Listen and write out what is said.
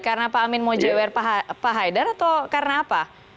karena pak amin mau jewer pak haidar atau karena apa